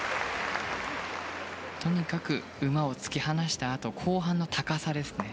とにかく馬を突き放したあと後半の高さですね。